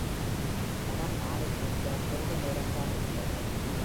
படம் ஆரம்பிக்க கொஞ்ச நேரம் தானிருந்தது.